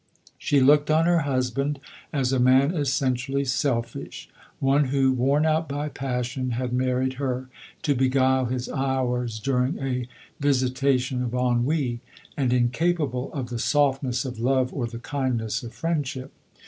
She looked on her husband as a man essentially selfish — one who, worn out by passion, had married her to beguile his hours during a visi tation of ennui, and incapable of the softness of love or the kindness of friendship.